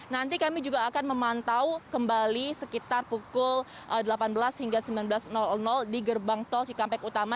nanti kami juga akan memantau kembali sekitar pukul delapan belas hingga sembilan belas di gerbang tol cikampek utama